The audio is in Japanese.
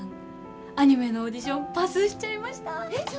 アニメのオーディションパスしちゃいました！